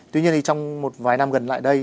tuy nhiên thì trong một vài năm gần đây